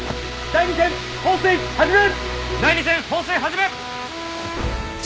第２線放水始め！